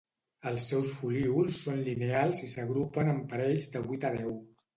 Els seus folíols són lineals i s'agrupen en parells de vuit a deu.